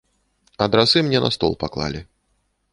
Адрасы мне на стол паклалі.